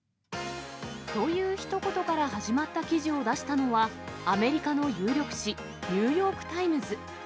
というひと言から始まった記事を出したのは、アメリカの有力紙、ニューヨーク・タイムズ。